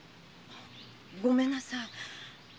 ごめんなさい。